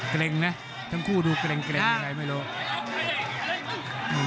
เกร็งนะทั้งคู่ดูเกร็งอะไรไม่รู้